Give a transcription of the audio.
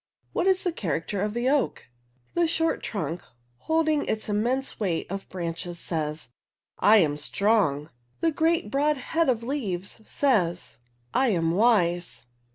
What is the character of the oak.'* The short trunk, holding its immense weight of branches says, " I am strong." The great broad head of leaves says, " I am wise."